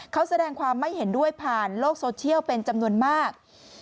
เขาแสดงความไม่เห็นด้วยผ่านโลกโซเชียลเป็นจำนวนมาก